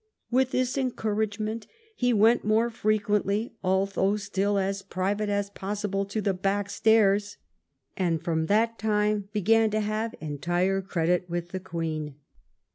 With this encour agement he went more frequently, although still as private as possible, to the back stairs; and from that time began to have entire credit with the Queen."